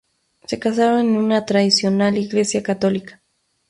Se casaron en una tradicional Iglesia católica.